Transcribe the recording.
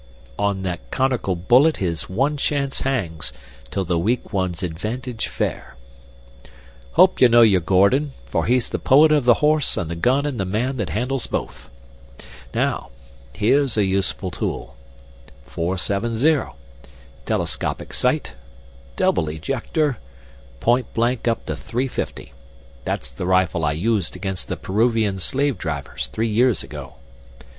'On that conical bullet his one chance hangs, 'Tis the weak one's advantage fair.' Hope you know your Gordon, for he's the poet of the horse and the gun and the man that handles both. Now, here's a useful tool .470, telescopic sight, double ejector, point blank up to three fifty. That's the rifle I used against the Peruvian slave drivers three years ago.